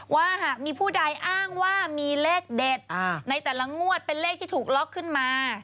ว่าหากมีผู้ใดอ้างว่ามีเลขเด็ดในแต่ละงวดเป็นเลขที่ถูกล็อกขึ้นมา